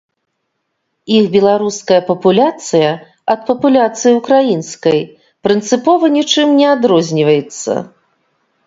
Іх беларуская папуляцыя ад папуляцыі ўкраінскай прынцыпова нічым не адрозніваецца.